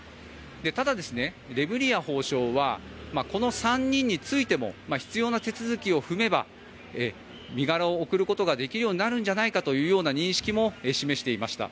ただ、レムリヤ法相はこの３人についても必要な手続きを踏めば身柄を送ることができるようになるんじゃないかという認識も示していました。